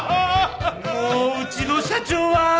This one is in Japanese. もううちの社長は。